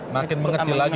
makin mengecil lagi gitu